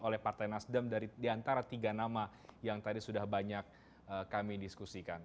oleh partai nasdem diantara tiga nama yang tadi sudah banyak kami diskusikan